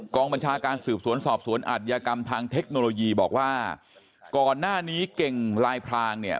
บัญชาการสืบสวนสอบสวนอัธยากรรมทางเทคโนโลยีบอกว่าก่อนหน้านี้เก่งลายพรางเนี่ย